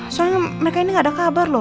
soalnya mereka ini gak ada kabar loh